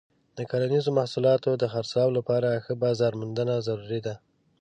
د کرنیزو محصولاتو د خرڅلاو لپاره ښه بازار موندنه ضروري ده.